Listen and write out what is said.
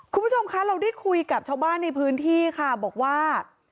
คุณผู้ชมคะเราได้คุยกับชาวบ้านในพื้นที่ค่ะบอกว่า